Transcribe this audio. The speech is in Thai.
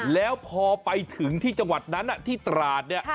แล้วพอไปถึงที่จังหวัดนั้นที่ตราดเนี่ย